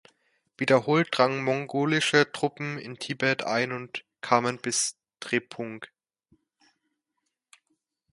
Wiederholt drangen mongolische Truppen in Tibet ein und kamen bis Drepung.